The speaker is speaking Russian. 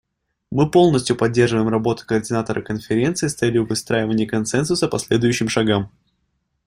Мы полностью поддерживаем работу координатора конференции с целью выстраивания консенсуса по следующим шагам.